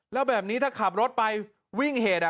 แล้วแบบนี้ถ้าขับรถไปวิ่งเหตุ